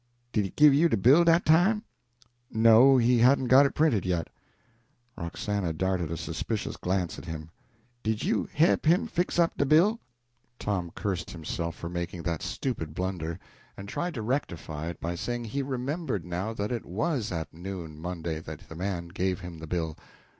"Did he give you de bill dat time?" "No, he hadn't got it printed yet." Roxana darted a suspicious glance at him. "Did you he'p him fix up de bill?" Tom cursed himself for making that stupid blunder, and tried to rectify it by saying he remembered, now, that it was at noon Monday that the man gave him the bill.